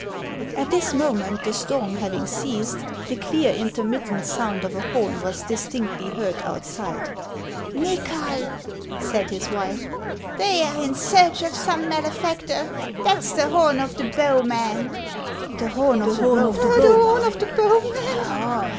At this moment, the storm having ceased, the clear, intermittent sound of a horn was distinctly heard outside. "Nychol," said his wife, "they are in search of some malefactor ; that 's the horn of the bowmen." " The horn of the bowmen